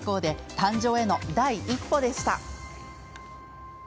誕生への第一歩でした。